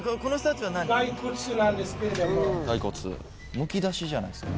むき出しじゃないですか。